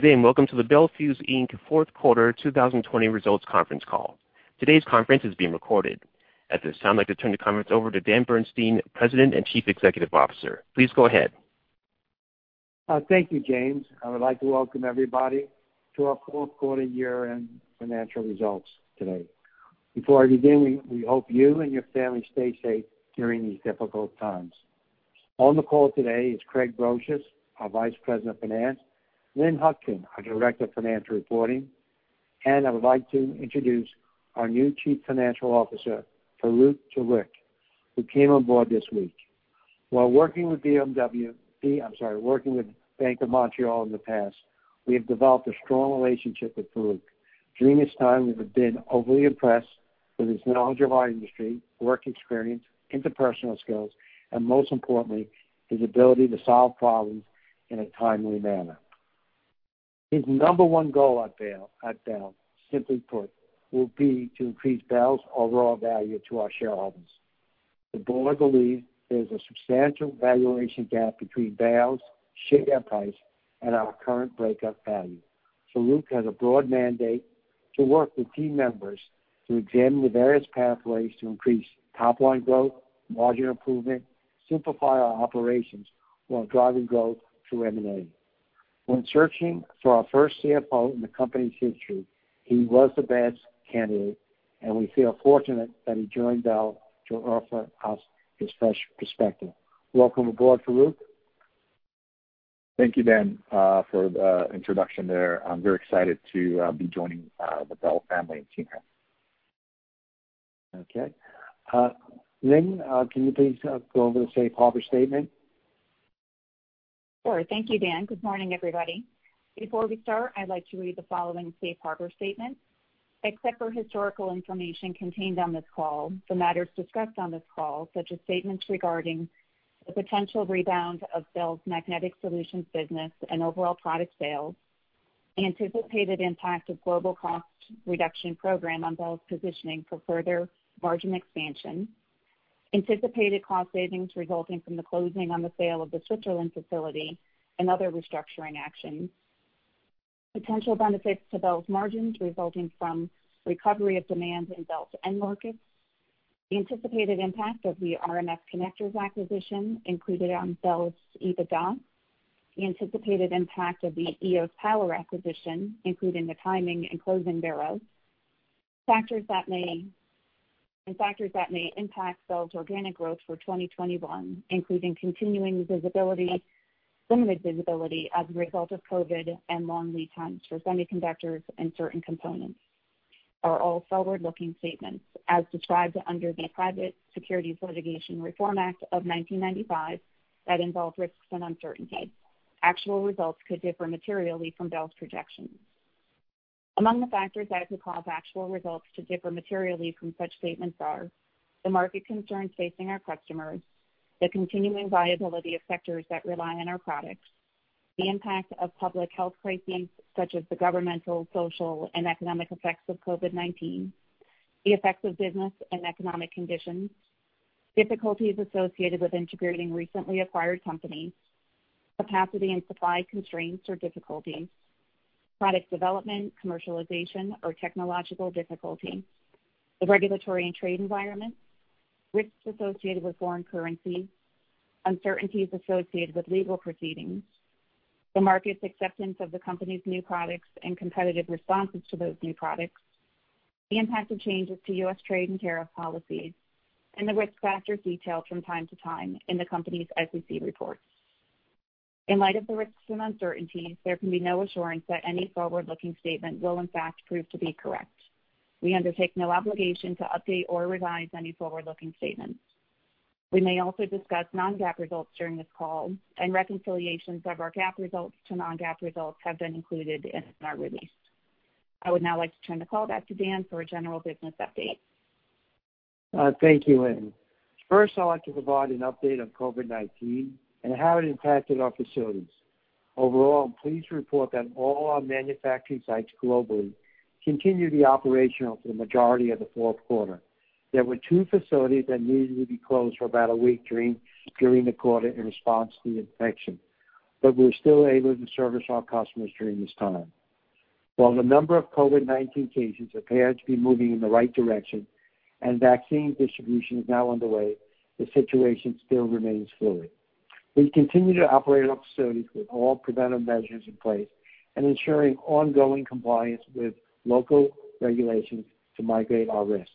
Good day. Welcome to the Bel Fuse Inc. fourth quarter 2020 results conference call. Today's conference is being recorded. At this time, I'd like to turn the conference over to Dan Bernstein, President and Chief Executive Officer. Please go ahead. Thank you, James. I would like to welcome everybody to our fourth quarter year-end financial results today. Before I begin, we hope you and your family stay safe during these difficult times. On the call today is Craig Brosious, our Vice President of Finance, Lynn Hutkin, our Director of Financial Reporting, and I would like to introduce our new Chief Financial Officer, Farouq Tuweiq, who came on board this week. While working with Bank of Montreal in the past, we have developed a strong relationship with Farouq. During this time, we have been overly impressed with his knowledge of our industry, work experience, interpersonal skills, and most importantly, his ability to solve problems in a timely manner. His number one goal at Bel, simply put, will be to increase Bel's overall value to our shareholders. The board believes there's a substantial valuation gap between Bel's share price and our current breakup value. Farouq has a broad mandate to work with team members to examine the various pathways to increase top-line growth, margin improvement, simplify our operations while driving growth through M&A. When searching for our first CFO in the company's history, he was the best candidate, and we feel fortunate that he joined Bel to offer us his fresh perspective. Welcome aboard, Farouq. Thank you, Dan, for the introduction there. I'm very excited to be joining the Bel family and team here. Okay. Lynn, can you please go over the safe harbor statement? Sure. Thank you, Dan. Good morning, everybody. Before we start, I'd like to read the following safe harbor statement. Except for historical information contained on this call, the matters discussed on this call, such as statements regarding the potential rebound of Bel's Magnetic Solutions business and overall product sales, anticipated impact of global cost reduction program on Bel's positioning for further margin expansion, anticipated cost savings resulting from the closing on the sale of the Switzerland facility and other restructuring actions, potential benefits to Bel's margins resulting from recovery of demand in Bel's end markets, the anticipated impact of the rms Connectors acquisition included on Bel's EBITDA, the anticipated impact of the EOS Power acquisition, including the timing and closing thereof, and factors that may impact Bel's organic growth for 2021, including continuing limited visibility as a result of COVID-19 and long lead times for semiconductors and certain components, are all forward-looking statements as described under the Private Securities Litigation Reform Act of 1995 that involve risks and uncertainties. Actual results could differ materially from Bel's projections. Among the factors that could cause actual results to differ materially from such statements are the market concerns facing our customers, the continuing viability of sectors that rely on our products, the impact of public health crises, such as the governmental, social, and economic effects of COVID-19, the effects of business and economic conditions, difficulties associated with integrating recently acquired companies, capacity and supply constraints or difficulties, product development, commercialization, or technological difficulties, the regulatory and trade environment, risks associated with foreign currency, uncertainties associated with legal proceedings, the market's acceptance of the company's new products and competitive responses to those new products, the impact of changes to U.S. trade and tariff policies, the risks factors detailed from time to time in the company's SEC reports. In light of the risks and uncertainties, there can be no assurance that any forward-looking statement will in fact prove to be correct. We undertake no obligation to update or revise any forward-looking statements. We may also discuss non-GAAP results during this call, and reconciliations of our GAAP results to non-GAAP results have been included and are released. I would now like to turn the call back to Dan for a general business update. Thank you, Lynn. First, I'd like to provide an update on COVID-19 and how it impacted our facilities. Overall, I'm pleased to report that all our manufacturing sites globally continued the operation of the majority of the fourth quarter. There were two facilities that needed to be closed for about a week three during the quarter in response to the infection. We were still able to service our customers during this time. While the number of COVID-19 cases appear to be moving in the right direction and vaccine distribution is now underway, the situation still remains fluid. We continue to operate our facilities with all preventive measures in place and ensuring ongoing compliance with local regulations to mitigate our risk.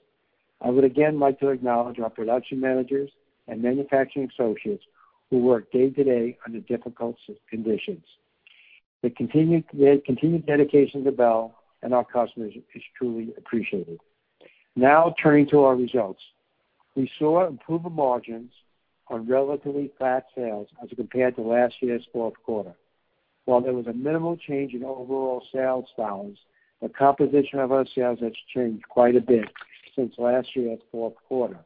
I would again like to acknowledge our production managers and manufacturing associates who work day to day under difficult conditions. Their continued dedication to Bel and our customers is truly appreciated. Now, turning to our results. We saw improved margins on relatively flat sales as compared to last year's fourth quarter. While there was a minimal change in overall sales dollars, the composition of our sales has changed quite a bit since last year's fourth quarter.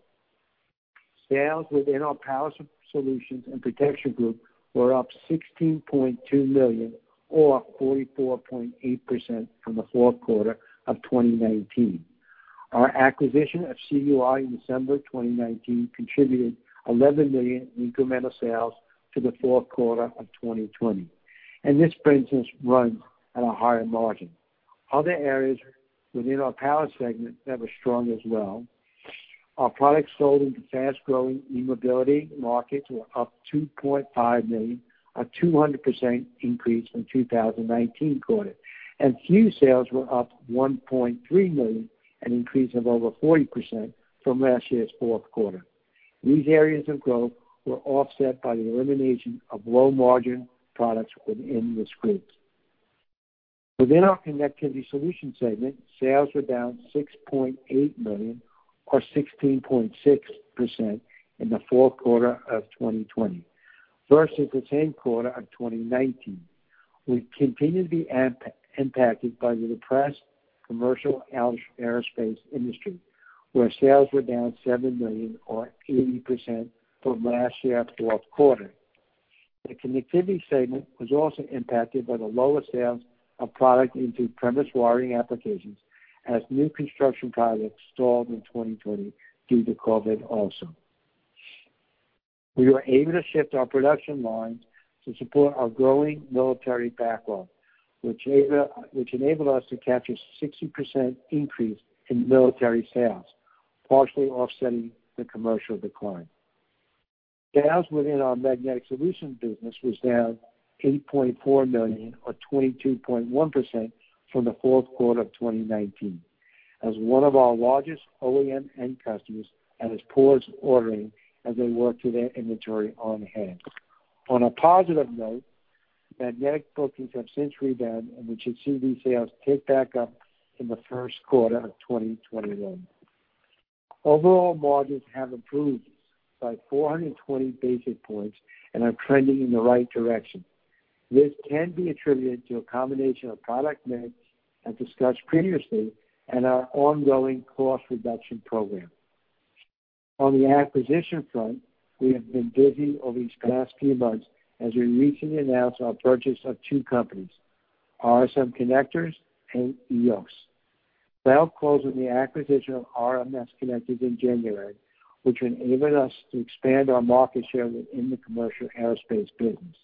Sales within our Power Solutions and Protection Group were up $16.2 million or 44.8% from the fourth quarter of 2019. Our acquisition of CUI in December 2019 contributed $11 million in incremental sales to the fourth quarter of 2020, and this business runs at a higher margin. Other areas within our Power segment that were strong as well, our products sold into fast-growing eMobility markets were up $2.5 million, a 200% increase from 2019 quarter, and fuse sales were up $1.3 million, an increase of over 40% from last year's fourth quarter. These areas of growth were offset by the elimination of low-margin products within this group. Within our Connectivity Solutions segment, sales were down $6.8 million or 16.6% in the fourth quarter of 2020 versus the same quarter of 2019. We continue to be impacted by the depressed commercial aerospace industry, where sales were down $7 million or 80% from last year's fourth quarter. The Connectivity segment was also impacted by the lower sales of product into premise wiring applications as new construction projects stalled in 2020 due to COVID also. We were able to shift our production lines to support our growing military backlog, which enabled us to capture 60% increase in military sales, partially offsetting the commercial decline. Sales within our Magnetic Solutions business was down $8.4 million or 22.1% from the fourth quarter of 2019, as one of our largest OEM end customers had postponed ordering as they worked through their inventory on hand. On a positive note, magnetic bookings have since rebound, and we should see these sales pick back up in the first quarter of 2021. Overall margins have improved by 420 basis points and are trending in the right direction. This can be attributed to a combination of product mix, as discussed previously, and our ongoing cost reduction program. On the acquisition front, we have been busy over these past few months as we recently announced our purchase of two companies, rms Connectors and EOS. Bel closed on the acquisition of rms Connectors in January, which enabled us to expand our market share within the commercial aerospace business.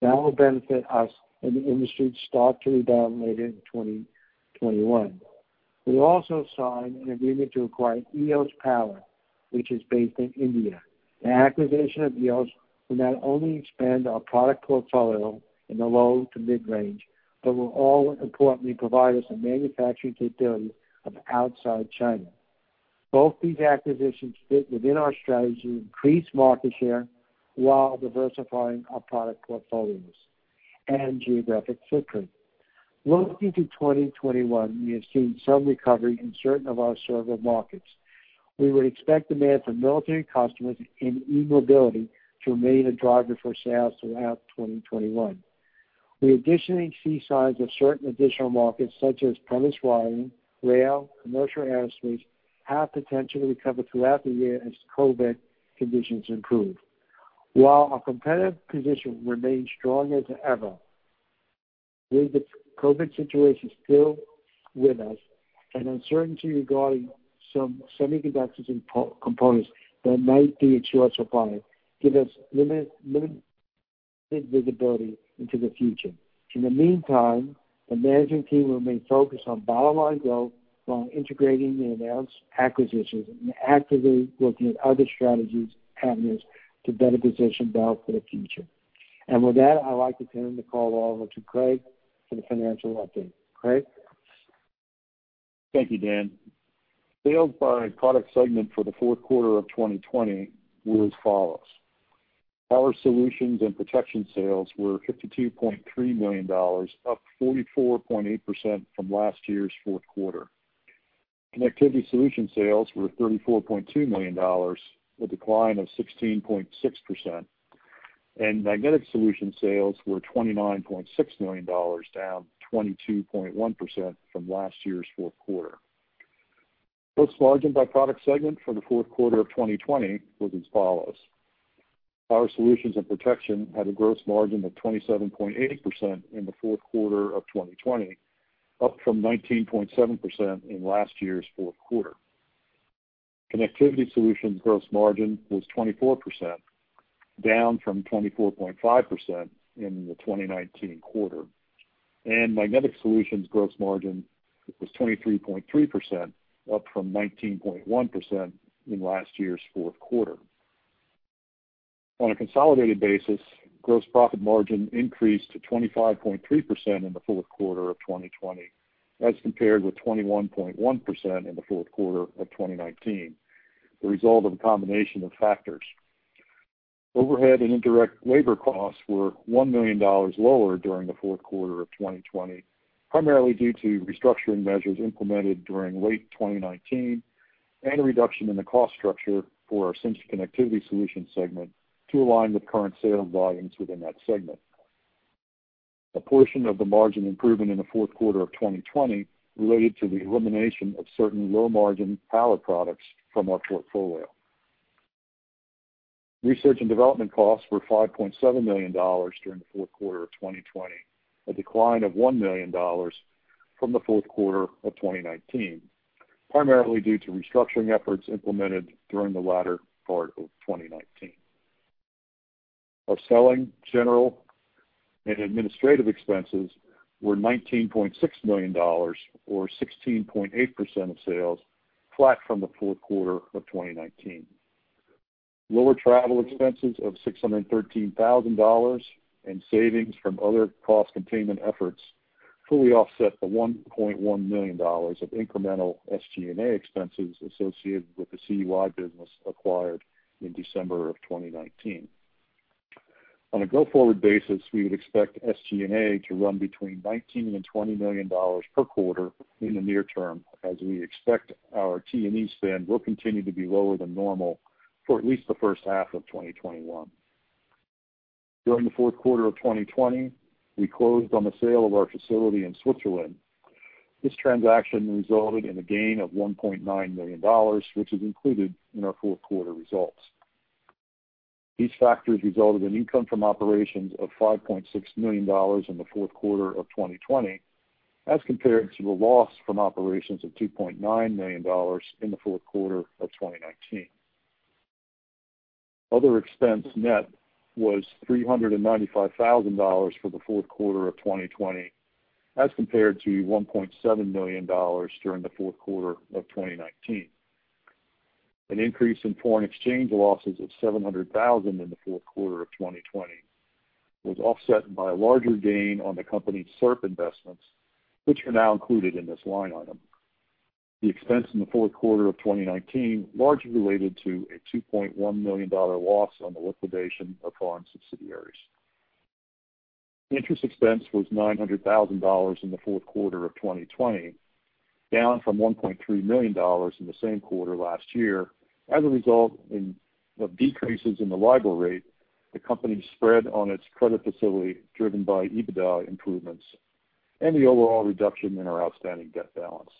Bel will benefit us as the industry starts to rebound later in 2021. We also signed an agreement to acquire EOS Power, which is based in India. The acquisition of EOS will not only expand our product portfolio in the low to mid-range, but will, more importantly, provide us a manufacturing capability of outside China. Both these acquisitions fit within our strategy to increase market share while diversifying our product portfolios and geographic footprint. Looking to 2021, we have seen some recovery in certain of our server markets. We would expect demand from military customers in eMobility to remain a driver for sales throughout 2021. We additionally see signs of certain additional markets, such as premise wiring, rail, commercial aerospace, have potential to recover throughout the year as COVID conditions improve. While our competitive position remains stronger than ever, with the COVID situation still with us and uncertainty regarding some semiconductors and components that might be in short supply, give us limited visibility into the future. In the meantime, the management team remains focused on bottom-line growth while integrating the announced acquisitions and actively looking at other strategies and avenues to better position Bel for the future. With that, I'd like to turn the call over to Craig for the financial update. Craig? Thank you, Dan. Sales by product segment for the fourth quarter of 2020 were as follows. Power Solutions and Protection sales were $52.3 million, up 44.8% from last year's fourth quarter. Connectivity Solutions sales were $34.2 million, a decline of 16.6%. Magnetic Solutions sales were $29.6 million, down 22.1% from last year's fourth quarter. Gross margin by product segment for the fourth quarter of 2020 was as follows. Power Solutions and Protection had a gross margin of 27.8% in the fourth quarter of 2020, up from 19.7% in last year's fourth quarter. Connectivity Solutions gross margin was 24%, down from 24.5% in the 2019 quarter. Magnetic Solutions gross margin was 23.3%, up from 19.1% in last year's fourth quarter. On a consolidated basis, gross profit margin increased to 25.3% in the fourth quarter of 2020 as compared with 21.1% in the fourth quarter of 2019, the result of a combination of factors. Overhead and indirect labor costs were $1 million lower during the fourth quarter of 2020, primarily due to restructuring measures implemented during late 2019 and a reduction in the cost structure for our Connectivity Solutions segment to align with current sales volumes within that segment. A portion of the margin improvement in the fourth quarter of 2020 related to the elimination of certain low-margin power products from our portfolio. Research and development costs were $5.7 million during the fourth quarter of 2020, a decline of $1 million from the fourth quarter of 2019, primarily due to restructuring efforts implemented during the latter part of 2019. Our selling, general, and administrative expenses were $19.6 million, or 16.8% of sales, flat from the fourth quarter of 2019. Lower travel expenses of $613,000 and savings from other cost containment efforts fully offset the $1.1 million of incremental SG&A expenses associated with the CUI business acquired in December of 2019. On a go-forward basis, we would expect SG&A to run between $19 million and $20 million per quarter in the near term, as we expect our T&E spend will continue to be lower than normal for at least the first half of 2021. During the fourth quarter of 2020, we closed on the sale of our facility in Switzerland. This transaction resulted in a gain of $1.9 million, which is included in our fourth quarter results. These factors resulted in income from operations of $5.6 million in the fourth quarter of 2020 as compared to the loss from operations of $2.9 million in the fourth quarter of 2019. Other expense net was $395,000 for the fourth quarter of 2020 as compared to $1.7 million during the fourth quarter of 2019. An increase in foreign exchange losses of $700,000 in the fourth quarter of 2020 was offset by a larger gain on the company's SERP investments, which are now included in this line item. The expense in the fourth quarter of 2019 largely related to a $2.1 million loss on the liquidation of foreign subsidiaries. Interest expense was $900,000 in the fourth quarter of 2020, down from $1.3 million in the same quarter last year. As a result of decreases in the LIBOR rate, the company spread on its credit facility driven by EBITDA improvements and the overall reduction in our outstanding debt balance.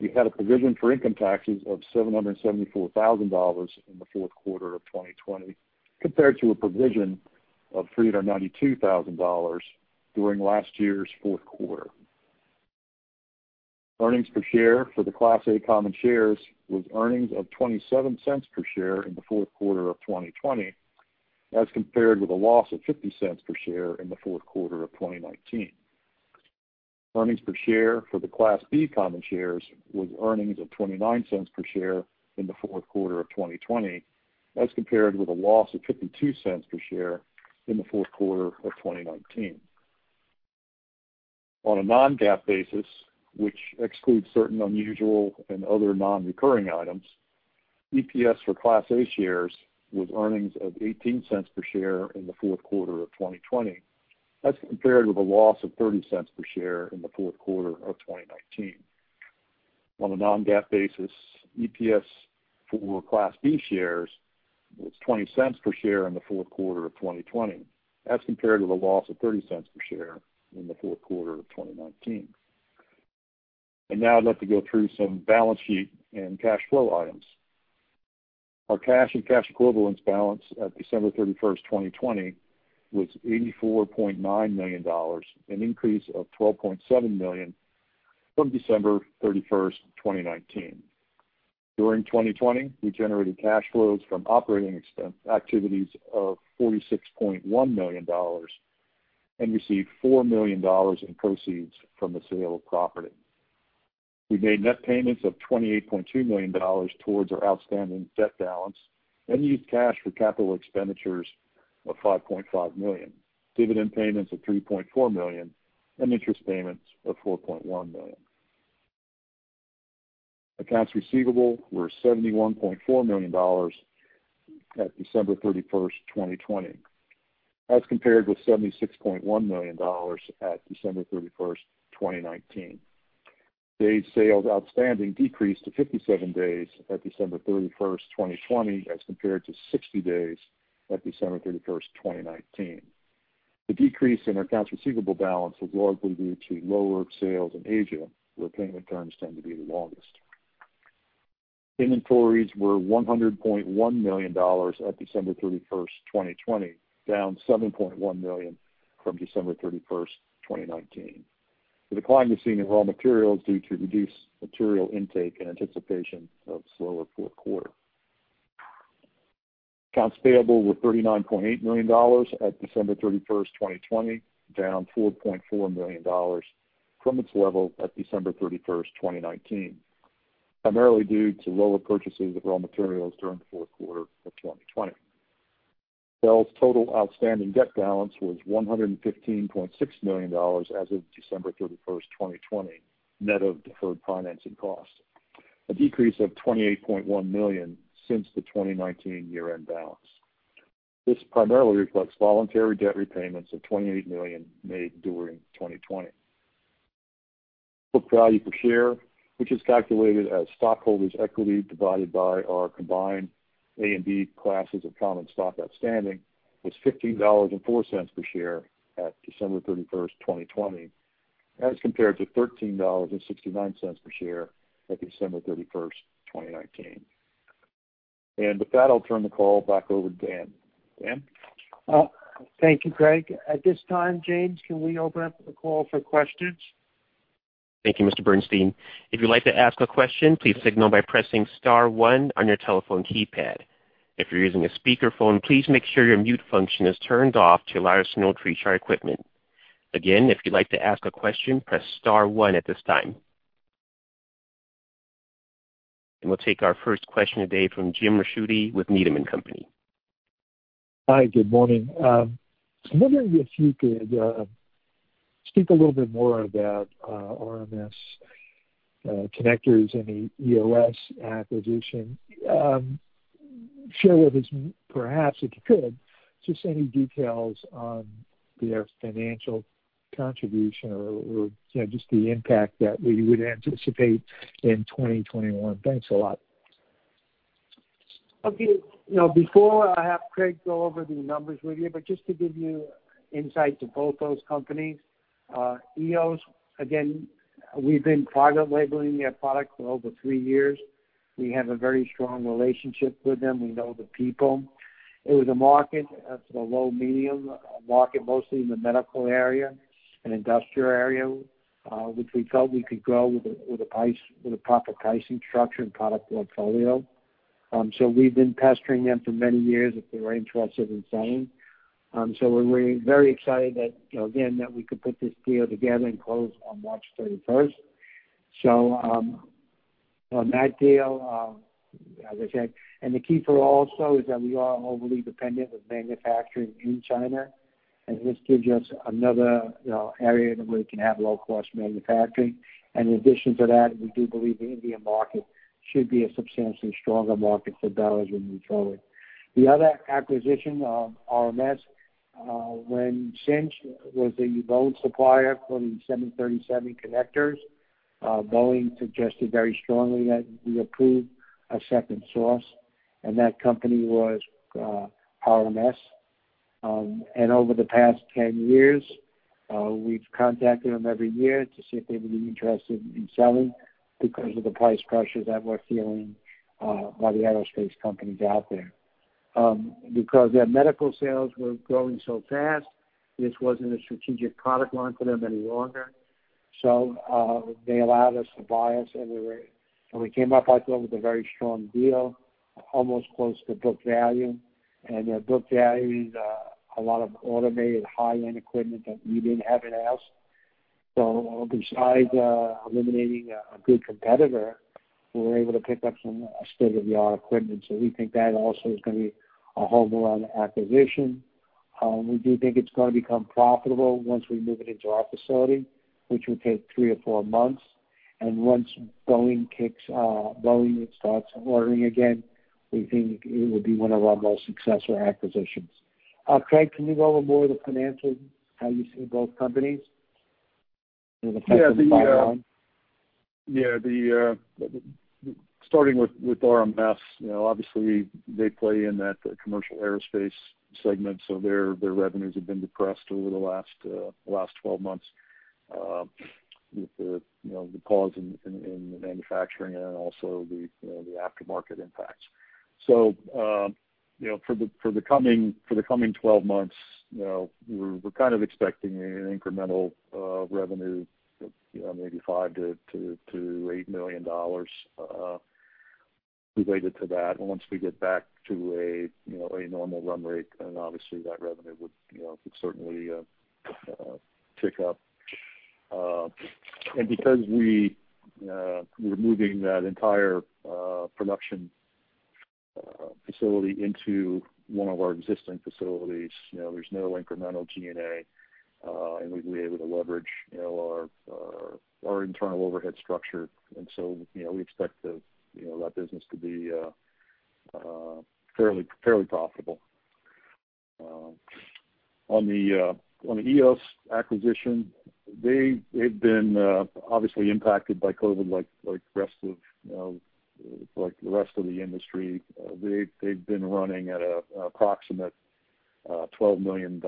We had a provision for income taxes of $774,000 in the fourth quarter of 2020 compared to a provision of $392,000 during last year's fourth quarter. Earnings per share for the Class A common shares was earnings of $0.27 per share in the fourth quarter of 2020 as compared with a loss of $0.50 per share in the fourth quarter of 2019. Earnings per share for the Class B common shares was earnings of $0.29 per share in the fourth quarter of 2020 as compared with a loss of $0.52 per share in the fourth quarter of 2019. On a non-GAAP basis, which excludes certain unusual and other non-recurring items, EPS for Class A shares was earnings of $0.18 per share in the fourth quarter of 2020, as compared with a loss of $0.30 per share in the fourth quarter of 2019. On a non-GAAP basis, EPS for Class B shares was $0.20 per share in the fourth quarter of 2020 as compared to the loss of $0.30 per share in the fourth quarter of 2019. Now I'd like to go through some balance sheet and cash flow items. Our cash and cash equivalents balance at December 31st, 2020 was $84.9 million, an increase of $12.7 million from December 31st, 2019. During 2020, we generated cash flows from operating activities of $46.1 million and received $4 million in proceeds from the sale of property. We made net payments of $28.2 million towards our outstanding debt balance and used cash for capital expenditures of $5.5 million, dividend payments of $3.4 million, and interest payments of $4.1 million. Accounts receivable were $71.4 million at December 31st, 2020, as compared with $76.1 million at December 31st, 2019. Days sales outstanding decreased to 57 days at December 31st, 2020 as compared to 60 days at December 31st, 2019. The decrease in our accounts receivable balance was largely due to lower sales in Asia, where payment terms tend to be the longest. Inventories were $100.1 million at December 31st, 2020, down $7.1 million from December 31st, 2019. The decline was seen in raw materials due to reduced material intake in anticipation of a slower fourth quarter. Accounts payable were $39.8 million at December 31st, 2020, down $4.4 million from its level at December 31st, 2019, primarily due to lower purchases of raw materials during the fourth quarter of 2020. Bel's total outstanding debt balance was $115.6 million as of December 31st, 2020, net of deferred financing costs, a decrease of $28.1 million since the 2019 year-end balance. This primarily reflects voluntary debt repayments of $28 million made during 2020. Book value per share, which is calculated as stockholders' equity divided by our combined A and B classes of common stock outstanding, was $15.04 per share at December 31st, 2020. As compared to $13.69 per share at December 31st, 2019. With that, I'll turn the call back over to Dan. Dan? Thank you, Craig. At this time, James, can we open up the call for questions? Thank you, Mr. Bernstein. If you'd like to ask a question, please signal by pressing star one on your telephone keypad. If you're using a speaker phone, please make sure your mute function is turned off till our reach our equipment. Again, if you'd like to ask a question, press star one at this time. We'll take our first question today from Jim Ricchiuti with Needham & Company. Hi, good morning. I'm wondering if you could speak a little bit more about rms Connectors and the EOS acquisition. Share with us, perhaps, if you could, just any details on their financial contribution or just the impact that we would anticipate in 2021. Thanks a lot. Before I have Craig Brosious go over the numbers with you, just to give you insight to both those companies. EOS, again, we've been private labeling their product for over three years. We have a very strong relationship with them. We know the people. It was a market, a low-medium market, mostly in the medical area and industrial area, which we felt we could grow with a proper pricing structure and product portfolio. We've been pestering them for many years if they were interested in selling. We're very excited that, again, that we could put this deal together and close on March 31st. On that deal, as I said, the key for also is that we are overly dependent with manufacturing in China, and this gives us another area where we can have low-cost manufacturing. In addition to that, we do believe the Indian market should be a substantially stronger market for Bel as we move forward. The other acquisition, rms. When Cinch was the lone supplier for the 737 connectors, Boeing suggested very strongly that we approve a second source, and that company was rms. Over the past 10 years, we've contacted them every year to see if they would be interested in selling because of the price pressures that we're feeling by the aerospace companies out there. Because their medical sales were growing so fast, this wasn't a strategic product line for them any longer. They allowed us to buy it, and we came up, I thought, with a very strong deal, almost close to book value. Their book value is a lot of automated high-end equipment that we didn't have in-house. Besides eliminating a good competitor, we were able to pick up some state-of-the-art equipment. We think that also is going to be a home run acquisition. We do think it's going to become profitable once we move it into our facility, which will take three or four months. Once Boeing starts ordering again, we think it will be one of our most successful acquisitions. Craig, can you go over more of the financials, how you see both companies in the context of Bel? Yeah. Starting with rms, obviously they play in that commercial aerospace segment, so their revenues have been depressed over the last 12 months with the pause in the manufacturing and also the aftermarket impacts. For the coming 12 months, we're kind of expecting an incremental revenue of maybe $5 million-$8 million related to that. Once we get back to a normal run rate, then obviously that revenue would certainly tick up. Because we're moving that entire production facility into one of our existing facilities, there's no incremental G&A, and we'd be able to leverage our internal overhead structure. We expect that business to be fairly profitable. On the EOS acquisition, they've been obviously impacted by COVID like the rest of the industry. They've been running at an approximate $12 million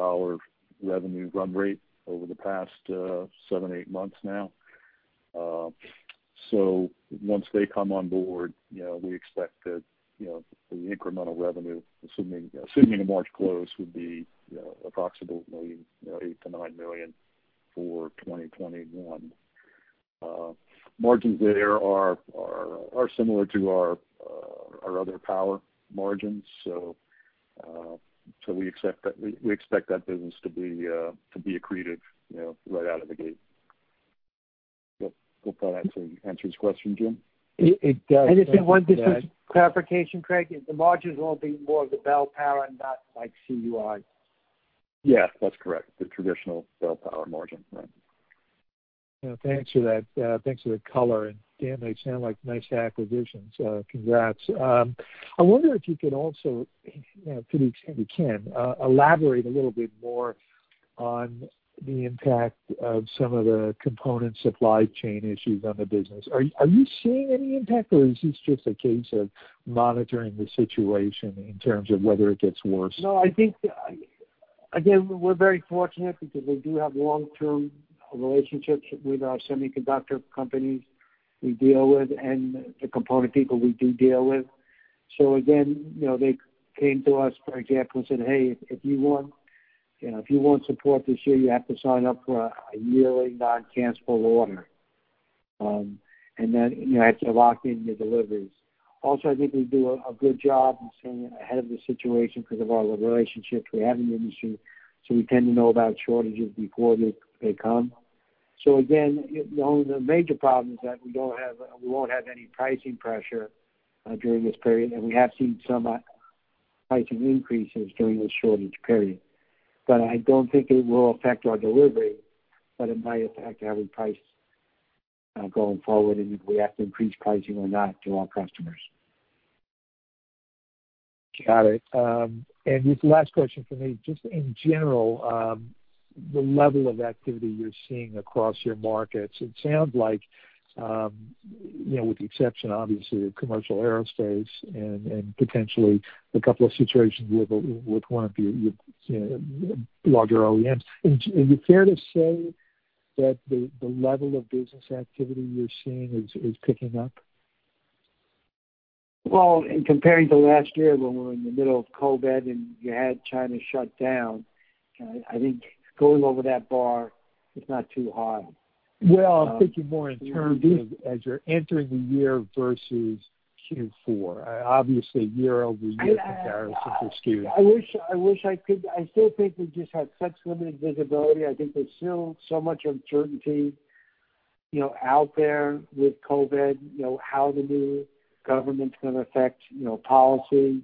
revenue run rate over the past seven, eight months now. Once they come on board, we expect that the incremental revenue, assuming a March close, would be approximately $8 million-$9 million for 2021. Margins there are similar to our other power margins. We expect that business to be accretive right out of the gate. Hope that answers your question, Jim. It does. If I want just clarification, Craig, the margins will be more of the Bel Power, not like CUI. Yes, that's correct. The traditional Bel Power margin. Thanks for that color, Dan, they sound like nice acquisitions. Congrats. I wonder if you could also, to the extent you can, elaborate a little bit more on the impact of some of the component supply chain issues on the business. Are you seeing any impact, or is this just a case of monitoring the situation in terms of whether it gets worse? No. I think, again, we're very fortunate because we do have long-term relationships with our semiconductor companies we deal with and the component people we do deal with. Again, they came to us, for example, and said, "Hey, if you want support this year, you have to sign up for a yearly non-cancelable order." You have to lock in your deliveries. Also, I think we do a good job in staying ahead of the situation because of all the relationships we have in the industry. We tend to know about shortages before they come. Again, the only major problem is that we won't have any pricing pressure during this period, and we have seen some pricing increases during this shortage period. I don't think it will affect our delivery, but it might affect how we price going forward, and if we have to increase pricing or not to our customers. Got it. The last question for me, just in general, the level of activity you're seeing across your markets, it sounds like, with the exception, obviously, of commercial aerospace and potentially a couple of situations with one of your larger OEMs, is it fair to say that the level of business activity you're seeing is picking up? Well, in comparing to last year when we were in the middle of COVID and you had China shut down, I think going over that bar is not too high. Well, I'm thinking more in terms of as you're entering the year versus Q4. Obviously, year-over-year comparison is skewed. I wish I could. I still think we just have such limited visibility. I think there's still so much uncertainty out there with COVID, how the new government's going to affect policy.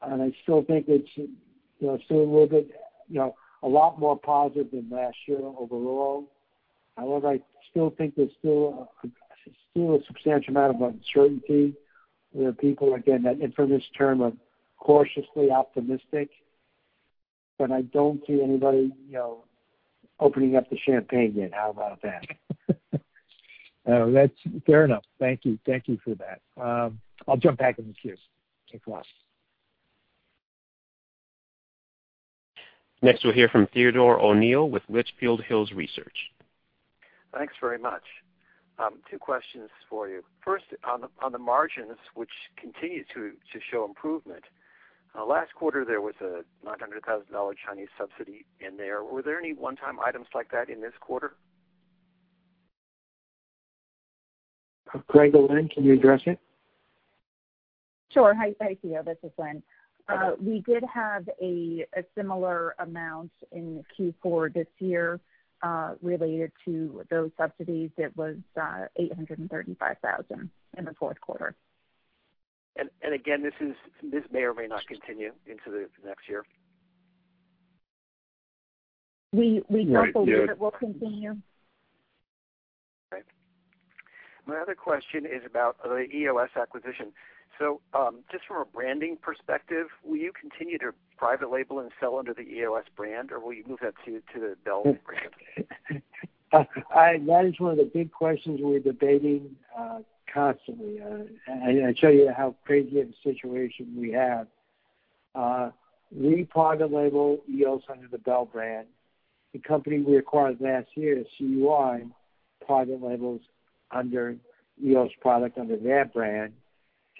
I still think it's a lot more positive than last year overall. However, I still think there's still a substantial amount of uncertainty where people, again, that infamous term of cautiously optimistic, but I don't see anybody opening up the champagne yet. How about that? That's fair enough. Thank you for that. I'll jump back in the queue. Thanks a lot. Next, we'll hear from Theodore O'Neill with Litchfield Hills Research. Thanks very much. Two questions for you. First, on the margins, which continue to show improvement. Last quarter, there was a $900,000 Chinese subsidy in there. Were there any one-time items like that in this quarter? Craig or Lynn, can you address it? Sure. Hi, Theo. This is Lynn. We did have a similar amount in Q4 this year, related to those subsidies. It was $835,000 in the fourth quarter. Again, this may or may not continue into the next year. We hope- Right, yeah. A year that will continue. Right. My other question is about the EOS acquisition. Just from a branding perspective, will you continue to private label and sell under the EOS brand, or will you move that to the Bel brand? That is one of the big questions we're debating constantly. I tell you how crazy of a situation we have. We private label EOS under the Bel brand. The company we acquired last year, CUI, private labels under EOS product under their brand,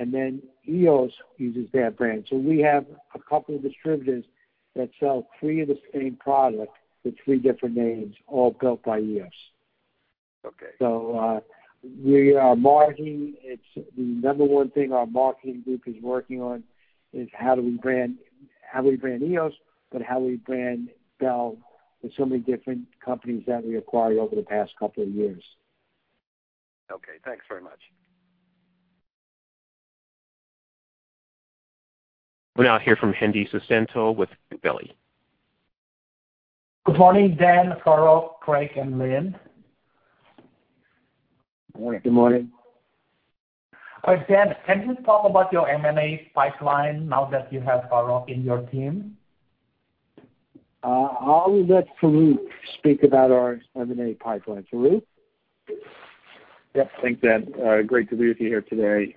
and then EOS uses their brand. We have a couple of distributors that sell three of the same product with three different names, all built by EOS. Okay. We are marketing. The number one thing our marketing group is working on is how do we brand EOS, but how we brand Bel with so many different companies that we acquired over the past couple of years. Okay. Thanks very much. We'll now hear from Hendi Susanto with Gabelli. Good morning, Dan, Farouq, Craig, and Lynn. Good morning. Dan, can you talk about your M&A pipeline now that you have Farouq in your team? I'll let Farouq speak about our M&A pipeline. Farouq? Yep. Thanks, Dan. Great to be with you here today.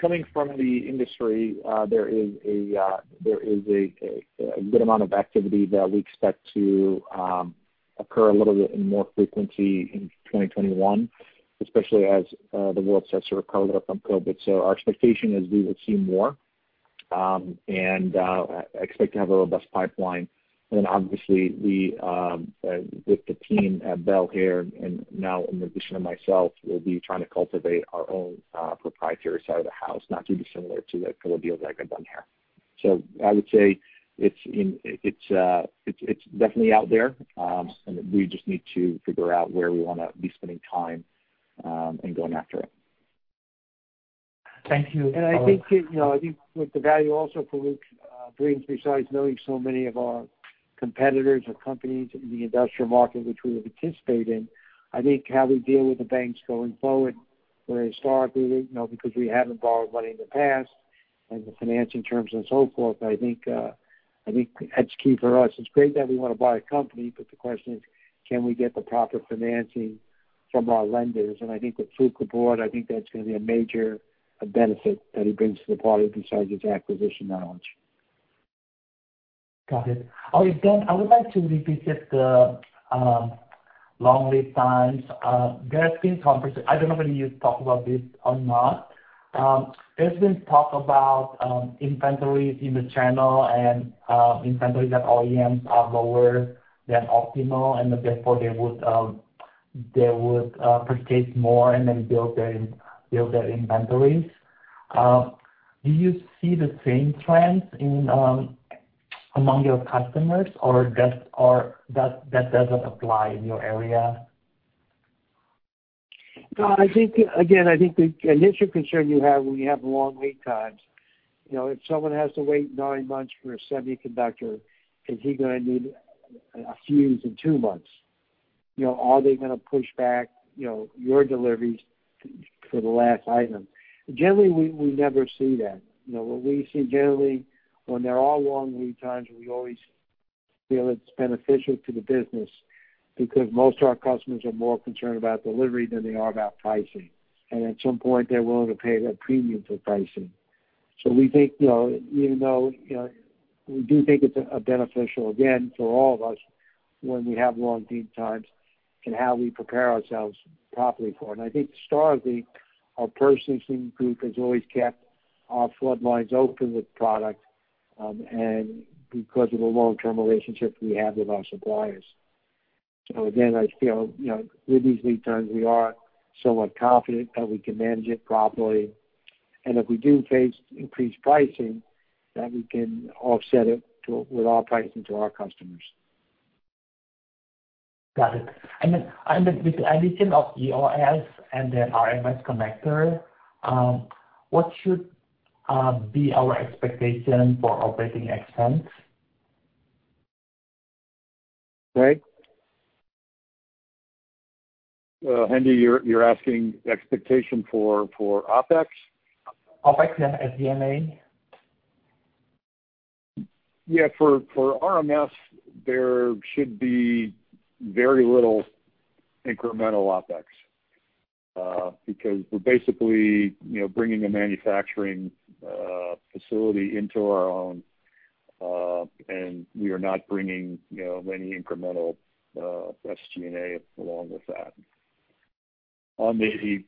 Coming from the industry, there is a good amount of activity that we expect to occur a little bit in more frequency in 2021, especially as the world starts to recover from COVID. Our expectation is we will see more, and I expect to have a robust pipeline. Obviously, with the team at Bel here, and now in addition of myself, we'll be trying to cultivate our own proprietary side of the house, not too dissimilar to the kind of deals I've done here. I would say it's definitely out there, and we just need to figure out where we want to be spending time, and going after it. Thank you, Farouq. I think with the value also Farouq brings, besides knowing so many of our competitors or companies in the industrial market which we would participate in, I think how we deal with the banks going forward, where historically, because we haven't borrowed money in the past and the financing terms and so forth, I think that's key for us. It's great that we want to buy a company, but the question is, can we get the proper financing from our lenders, and I think with Farouq aboard, I think that's going to be a major benefit that he brings to the party besides his acquisition knowledge. Got it. Okay, Dan, I would like to revisit the long lead times. There's been conversation, I don't know whether you talk about this or not. There's been talk about inventories in the channel and inventories at OEMs are lower than optimal, and therefore they would purchase more and then build their inventories. Do you see the same trends among your customers, or that doesn't apply in your area? No, again, I think the initial concern you have when you have long lead times, if someone has to wait nine months for a semiconductor, is he going to need a fuse in two months? Are they going to push back your deliveries for the last item? Generally, we never see that. What we see generally, when there are long lead times, we always feel it's beneficial to the business because most of our customers are more concerned about delivery than they are about pricing. At some point, they're willing to pay that premium for pricing. We think, even though we do think it's beneficial again for all of us when we have long lead times and how we prepare ourselves properly for it. I think historically, our purchasing group has always kept our flow lines open with product, and because of the long-term relationships we have with our suppliers. Again, I feel, with these lead times, we are somewhat confident that we can manage it properly. If we do face increased pricing, then we can offset it with our pricing to our customers. Got it. With the addition of EOS and then rms Connector, what should be our expectation for operating expense? Craig? Hendi, you're asking expectation for OpEx? OpEx and SG&A. Yeah, for rms, there should be very little incremental OpEx, because we're basically bringing a manufacturing facility into our own, and we are not bringing any incremental SG&A along with that. On the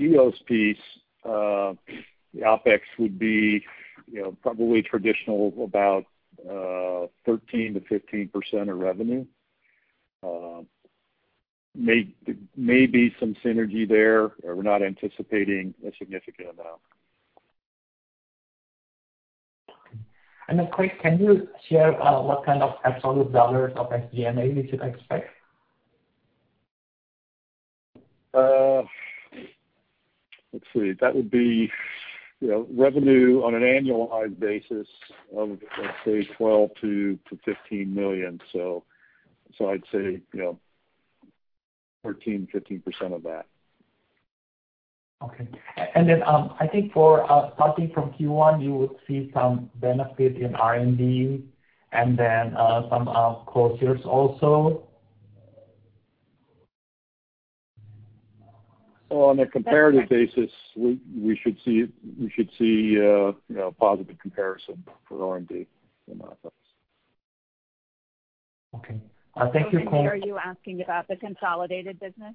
EOS piece, the OpEx would be probably traditional, about 13%-15% of revenue. Maybe some synergy there. We're not anticipating a significant amount. Okay. Craig, can you share what kind of absolute dollars of SG&A we should expect? Let's see. That would be revenue on an annualized basis of, let's say, $12 million-$15 million. I'd say 13%, 15% of that. Okay. I think for starting from Q1, you would see some benefit in R&D and then some closures also? On a comparative basis, we should see a positive comparison for R&D in OpEx. Okay. Thank you, Craig. Hendi, are you asking about the consolidated business?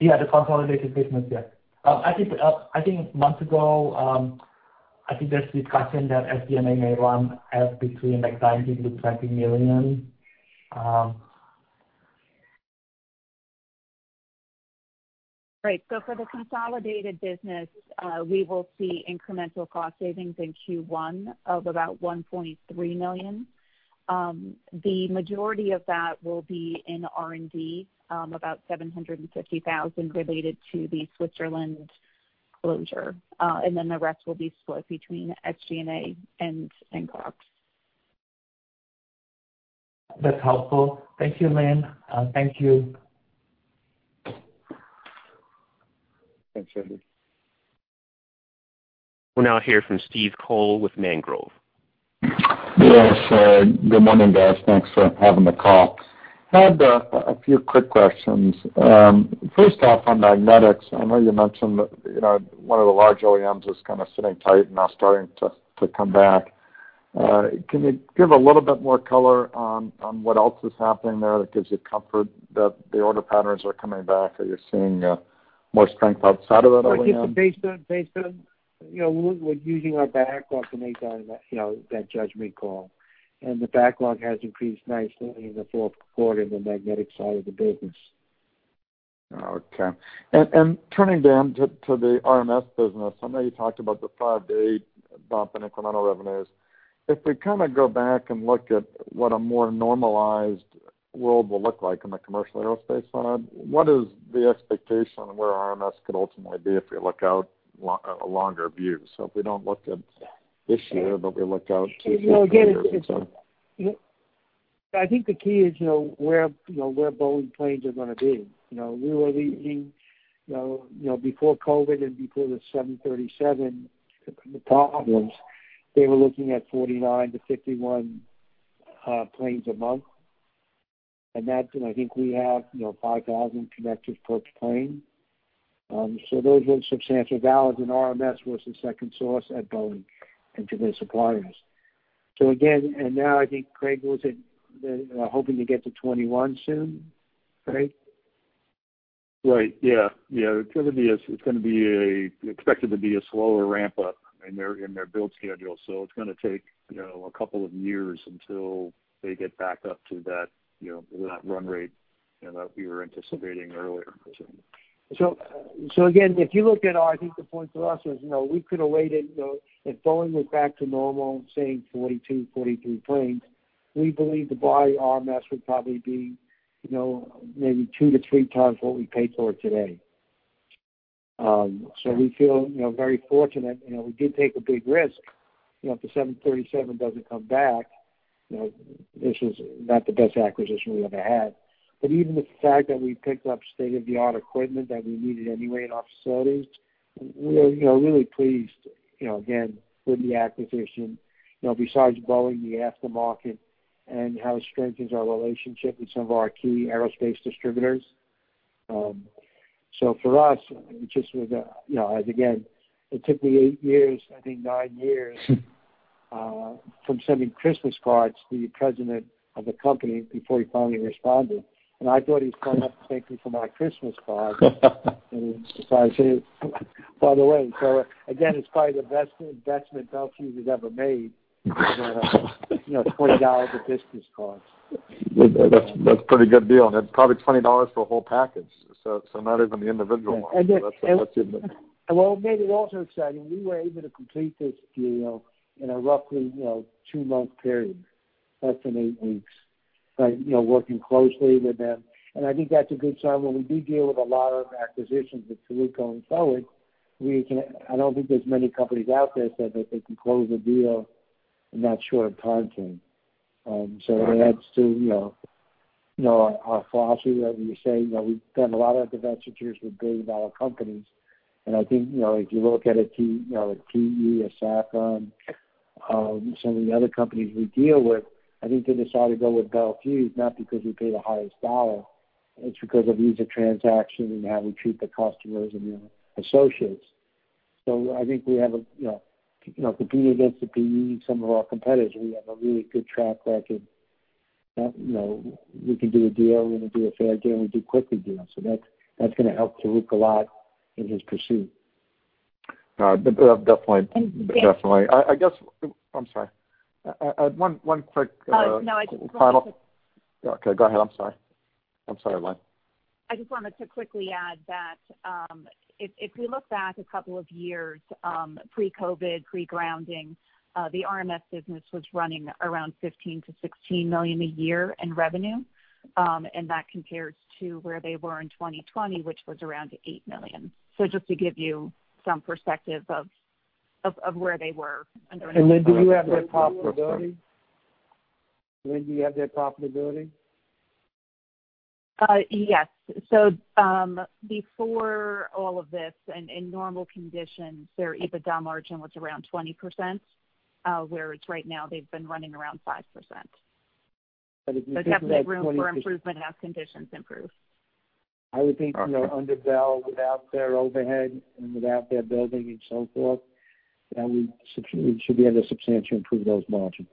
Yeah, the consolidated business, yeah. I think months ago, I think there's discussion that SG&A may run at between like $19 million-$20 million. Right. For the consolidated business, we will see incremental cost savings in Q1 of about $1.3 million. The majority of that will be in R&D, about $750,000 related to the Switzerland closure. The rest will be split between SG&A and COGS. That's helpful. Thank you, Lynn. Thank you. Thanks, Hendi. We'll now hear from Steve Kohl with Mangrove. Yes. Good morning, guys. Thanks for having the call. Had a few quick questions. First off, on magnetics, I know you mentioned one of the large OEMs is kind of sitting tight and now starting to come back. Can you give a little bit more color on what else is happening there that gives you comfort that the order patterns are coming back, or you're seeing more strength outside of that OEM? I think based on we're using our backlog to make that judgment call, and the backlog has increased nicely in the fourth quarter in the magnetic side of the business. Okay. Turning down to the rms business, I know you talked about the 5-8 bump in incremental revenues. If we kind of go back and look at what a more normalized world will look like on the commercial aerospace side, what is the expectation of where rms could ultimately be if we look out a longer view? If we don't look at this year, but we look out two, three years or so. I think the key is where Boeing planes are going to be. Before COVID and before the 737 problems, they were looking at 49 to 51 planes a month. That, I think we have 5,000 connectors per plane. Those were substantial dollars, and rms was the second source at Boeing and to their suppliers. Again, and now I think Craig was hoping to get to 21 soon, right? Right. Yeah. It's going to be expected to be a slower ramp-up in their build schedule. It's going to take a couple of years until they get back up to that run rate that we were anticipating earlier. Again, if you look at, I think the point for us is, we could have waited. If Boeing was back to normal, saying 42, 43 planes, we believe to buy rms would probably be maybe two to three times what we paid for it today. We feel very fortunate. We did take a big risk, if the 737 doesn't come back, this is not the best acquisition we ever had. Even the fact that we picked up state-of-the-art equipment that we needed anyway in our facilities, we're really pleased, again, with the acquisition. Besides Boeing, the aftermarket and how it strengthens our relationship with some of our key aerospace distributors. For us, it just was, as again, it took me eight years, I think nine years, from sending Christmas cards to the president of the company before he finally responded. I thought he was calling up to thank me for my Christmas card. He decided to, by the way. Again, it's probably the best investment Bel Fuse has ever made. $20 of Christmas cards. That's a pretty good deal, and it's probably $20 for a whole package. Not even the individual ones. What made it also exciting, we were able to complete this deal in a roughly two-month period, less than eight weeks. Working closely with them, I think that's a good sign when we do deal with a lot of acquisitions with Farouq going forward, I don't think there's many companies out there that they can close a deal in that short time frame. It adds to our philosophy that we say that we've done a lot of divestitures with billion-dollar companies, I think, if you look at a TE, a Safran, some of the other companies we deal with, I think they decide to go with Bel Fuse not because we pay the highest dollar. It's because of ease of transaction and how we treat the customers and the associates. I think we have, competing against the PEs, some of our competitors, we have a really good track record that we can do a deal, we're going to do a fair deal, and we do quick deals. That's going to help Farouq a lot in his pursuit. No, definitely. Dan- Definitely. I guess I'm sorry. No, I just wanted to- Okay, go ahead. I'm sorry. I'm sorry, Lynn. I just wanted to quickly add that, if we look back a couple of years, pre-COVID, pre-grounding, the rms business was running around $15 million-$16 million a year in revenue. That compares to where they were in 2020, which was around $8 million. So just to give you some perspective of where they were. Lynn, do you have their profitability? Do you have their profitability? Yes. Before all of this, and in normal conditions, their EBITDA margin was around 20%, whereas right now, they've been running around 5%. If you take that 20- Definitely room for improvement as conditions improve. I would think, under Bel, without their overhead and without their building and so forth, that we should be able to substantially improve those margins.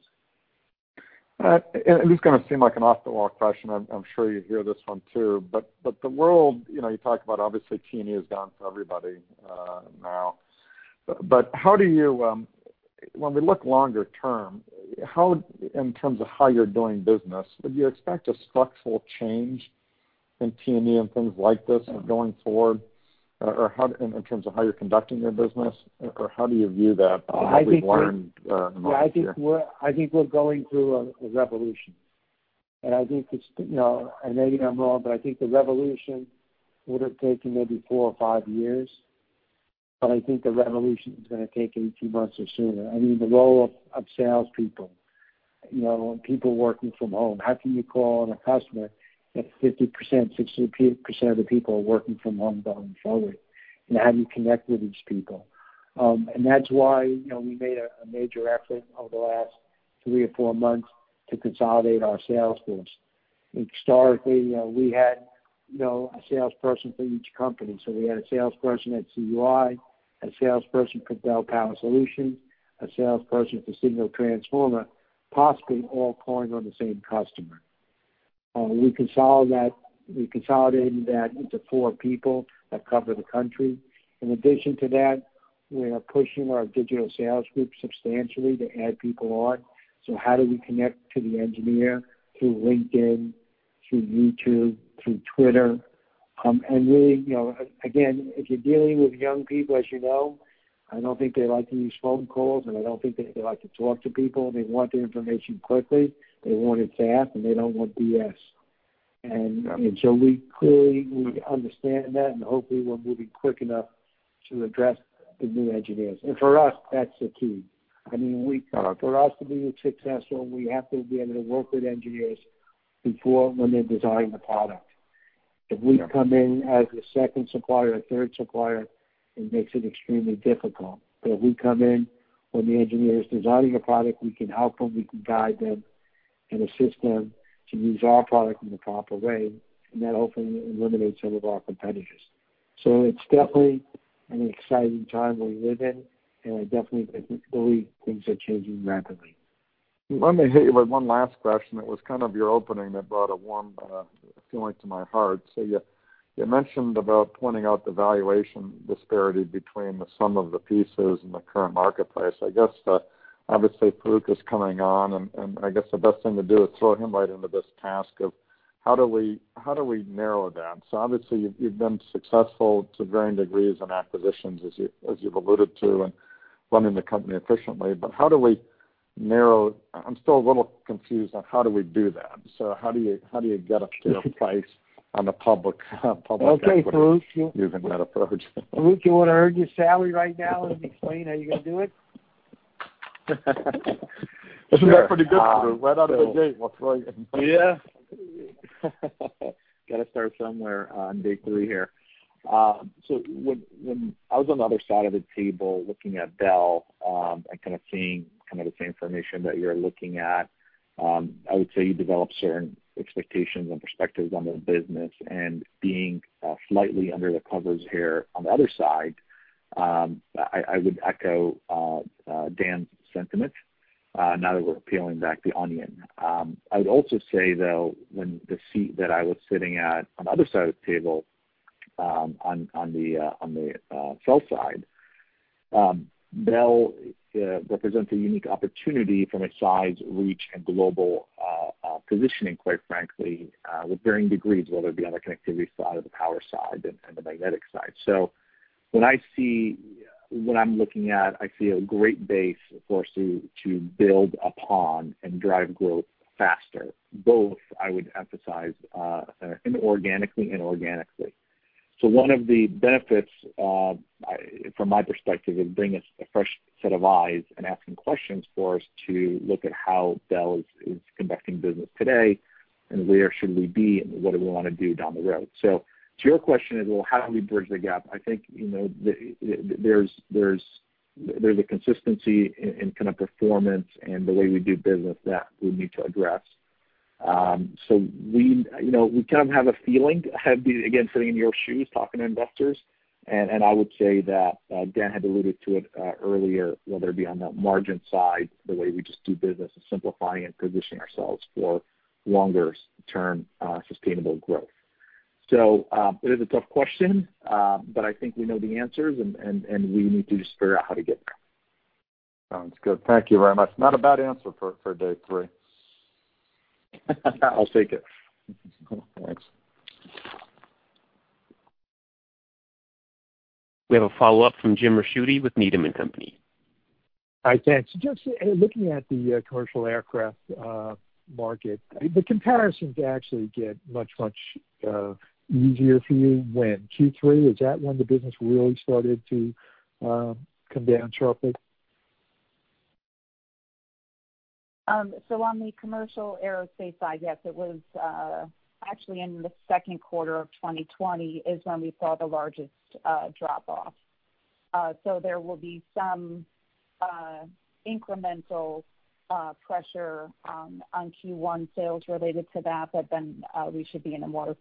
This is going to seem like an off-the-wall question. I'm sure you hear this one too, the world, you talk about obviously T&E is down for everybody now. When we look longer term, in terms of how you're doing business, would you expect a structural change in T&E and things like this going forward, or in terms of how you're conducting your business, or how do you view that? I think we're- We've learned in the last year? Yeah, I think we're going through a revolution, and I think it's, and maybe I'm wrong, but I think the revolution would have taken maybe four or five years, but I think the revolution is going to take 18 months or sooner. I mean, the role of salespeople. People working from home. How can you call on a customer if 50%, 60% of the people are working from home going forward? How do you connect with these people? That's why we made a major effort over the last three or four months to consolidate our sales force. Historically, we had a salesperson for each company. We had a salesperson at CUI, a salesperson for Bel Power Solutions, a salesperson for Signal Transformer, possibly all calling on the same customer. We consolidated that into four people that cover the country. In addition to that, we are pushing our digital sales group substantially to add people on. How do we connect to the engineer? Through LinkedIn, through YouTube, through Twitter. Really, again, if you're dealing with young people, as you know, I don't think they like to use phone calls, and I don't think they like to talk to people. They want their information quickly, they want it fast, and they don't want BS. Right. We clearly understand that. Hopefully, we're moving quick enough to address the new engineers. For us, that's the key. Got it. For us to be successful, we have to be able to work with engineers before, when they're designing the product. If we come in as the second supplier or third supplier, it makes it extremely difficult. If we come in when the engineer is designing a product, we can help them, we can guide them, and assist them to use our product in the proper way, and that hopefully eliminates some of our competitors. It's definitely an exciting time we live in, and I definitely believe things are changing rapidly. Let me hit you with one last question. It was kind of your opening that brought a warm feeling to my heart. You mentioned about pointing out the valuation disparity between the sum of the pieces in the current marketplace. I guess, obviously, Farouq is coming on, and I guess the best thing to do is throw him right into this task of how do we narrow that? Obviously you've been successful to varying degrees on acquisitions, as you've alluded to, and running the company efficiently. How do we narrow I'm still a little confused on how do we do that? How do you get a fair price on a public equity using that approach? Okay, Farouq. Farouq, you want to earn your salary right now and explain how you're going to do it? You sound pretty good, Farouq. Right out of the gate. Let's roll. Yeah. Got to start somewhere on day three here. When I was on the other side of the table looking at Bel, and kind of seeing the same information that you're looking at, I would say you develop certain expectations and perspectives on the business. Being slightly under the covers here on the other side, I would echo Dan's sentiment. Now that we're peeling back the onion. I would also say, though, when the seat that I was sitting at on the other side of the table, on the sell side, Bel represents a unique opportunity from a size, reach, and global positioning, quite frankly, with varying degrees, whether it be on the connectivity side or the power side and the magnetic side. When I'm looking at, I see a great base for us to build upon and drive growth faster, both, I would emphasize, inorganically and organically. One of the benefits, from my perspective, it would bring us a fresh set of eyes and asking questions for us to look at how Bel is conducting business today, and where should we be, and what do we want to do down the road. To your question as well, how do we bridge the gap? I think, there's a consistency in kind of performance and the way we do business that we need to address. We kind of have a feeling, again, sitting in your shoes talking to investors, and I would say that Dan had alluded to it earlier, whether it be on the margin side, the way we just do business is simplifying and positioning ourselves for longer-term sustainable growth. It is a tough question, but I think we know the answers and we need to just figure out how to get there. Sounds good. Thank you very much. Not a bad answer for day three. I'll take it. Thanks. We have a follow-up from Jim Ricchiuti with Needham & Company. Hi, thanks. Just looking at the commercial aircraft market, the comparisons actually get much, much easier for you when Q3. Is that when the business really started to come down sharply? On the commercial aerospace side, yes, it was actually in the second quarter of 2020 is when we saw the largest drop-off. There will be some incremental pressure on Q1 sales related to that, but then we should be in a more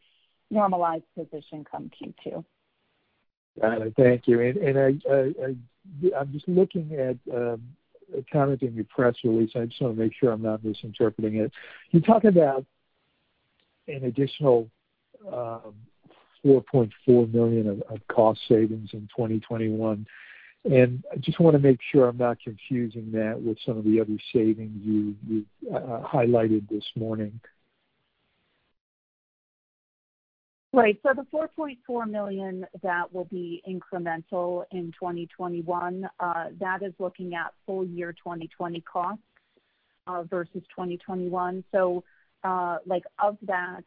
normalized position come Q2. Got it. Thank you. I'm just looking at, commenting your press release. I just want to make sure I'm not misinterpreting it. You talk about an additional $4.4 million of cost savings in 2021, I just want to make sure I'm not confusing that with some of the other savings you highlighted this morning. Right. The $4.4 million, that will be incremental in 2021. That is looking at full year 2020 costs, versus 2021. Of that,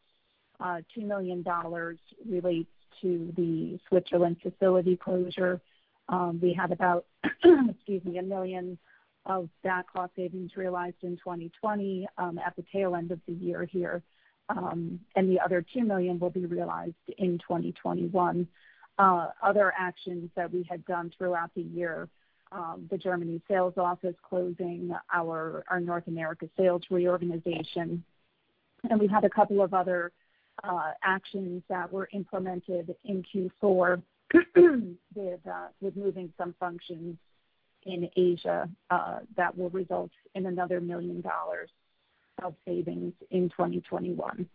$2 million relates to the Switzerland facility closure. We had about, excuse me, $1 million of that cost savings realized in 2020, at the tail end of the year here. The other $2 million will be realized in 2021. Other actions that we had done throughout the year, the Germany sales office closing, our North America sales reorganization, and we had a couple of other actions that were implemented in Q4 with moving some functions in Asia, that will result in another $1 million of savings in 2021.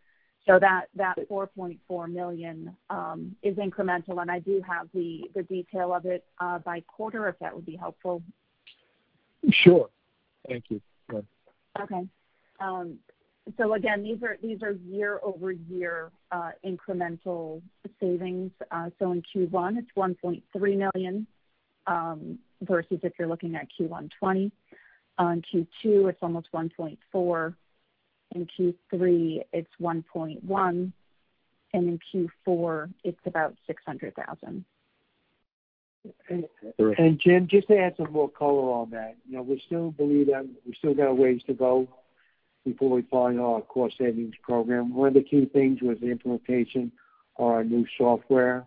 That $4.4 million is incremental, and I do have the detail of it by quarter, if that would be helpful. Sure. Thank you. Go ahead. Okay. Again, these are year-over-year incremental savings. In Q1, it's $1.3 million, versus if you're looking at Q1 2020. On Q2, it's almost $1.4. In Q3, it's $1.1. In Q4, it's about $600,000. Jim, just to add some more color on that, we still believe that we still got a ways to go before we find our cost savings program. One of the key things was the implementation of our new software.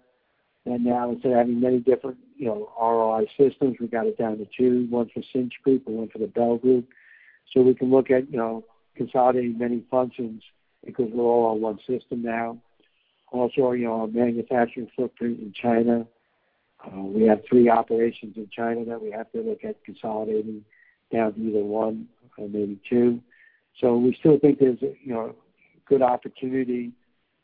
Now instead of having many different ROI systems, we got it down to two. One for Cinch people and one for the Bel group. We can look at consolidating many functions because we're all on one system now. Also, our manufacturing footprint in China. We have three operations in China that we have to look at consolidating down to either one or maybe two. We still think there's good opportunity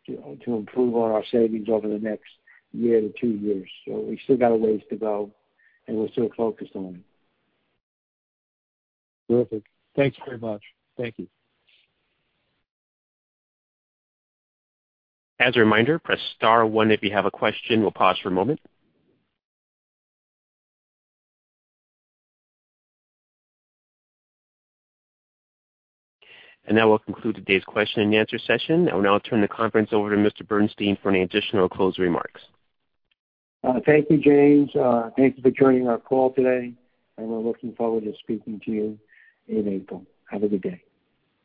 to improve on our savings over the next year to two years. We still got a ways to go, and we're still focused on it. Terrific. Thanks very much. Thank you. As a reminder, press star one if you have a question. We'll pause for a moment. That will conclude today's question and answer session. I will now turn the conference over to Mr. Bernstein for any additional closing remarks. Thank you, James. Thank you for joining our call today. We're looking forward to speaking to you in April. Have a good day.